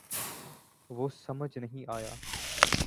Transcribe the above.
وہ سمجھ نہیں آیا